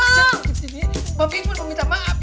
bang pi pun mau minta maaf